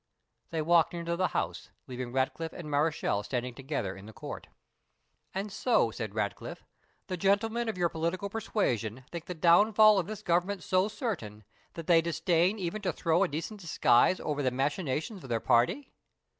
They walked into the house, leaving Ratcliffe and Mareschal standing together in the court. "And so," said Ratcliffe, "the gentlemen of your political persuasion think the downfall of this government so certain, that they disdain even to throw a decent disguise over the machinations of their party?"